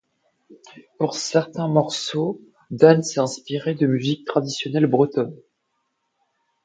Pour certains morceaux, Dan s'est inspiré de musiques traditionnelles bretonnes.